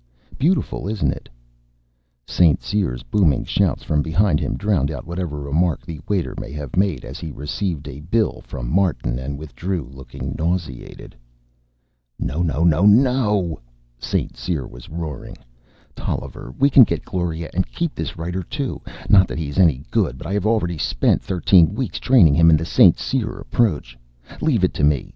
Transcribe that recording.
"Beautiful, isn't it?" St. Cyr's booming shouts from behind him drowned out whatever remark the waiter may have made as he received a bill from Martin and withdrew, looking nauseated. "No, no, no, no," St. Cyr was roaring. "Tolliver, we can get Gloria and keep this writer too, not that he is any good, but I have spent already thirteen weeks training him in the St. Cyr approach. Leave it to me.